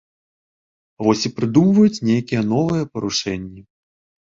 Вось і прыдумваюць нейкія новыя парушэнні.